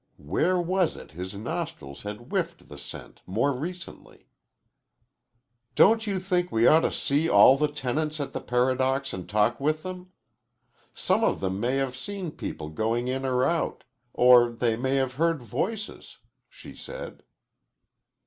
Where was it his nostrils had whiffed the scent more recently? "Don't you think we ought to see all the tenants at the Paradox and talk with them? Some of them may have seen people going in or out. Or they may have heard voices," she said.